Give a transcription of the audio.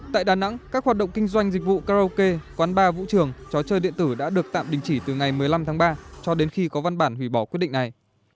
tại đà nẵng các hoạt động kinh doanh dịch vụ karaoke quán bar vũ trường trò chơi điện tử đã được tạm đình chỉ từ ngày một mươi năm tháng ba cho đến khi có văn bản hủy bỏ quyết định này